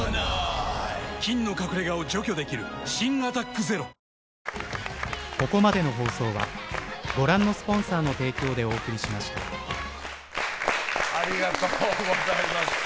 菌の隠れ家を除去できる新「アタックＺＥＲＯ」ありがとうございます。